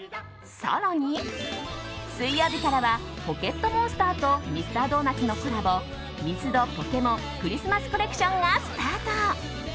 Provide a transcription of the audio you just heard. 更に、水曜日からは「ポケットモンスター」とミスタードーナツのコラボミスドポケモンクリスマスコレクションがスタート。